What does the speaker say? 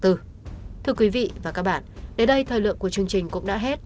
thưa quý vị và các bạn đến đây thời lượng của chương trình cũng đã hết